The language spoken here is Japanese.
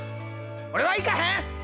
俺は行かへん！